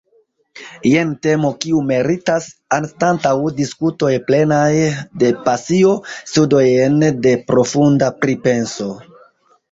Jen temo kiu meritas, anstataŭ diskutoj plenaj de pasio, studojn de profunda pripenso.